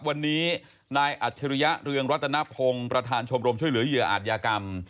วันนี้นายอัจฉริยะเรืองรัตนพงศ์ประธานชมรมช่วยเหลือเหยื่ออาจยากรรม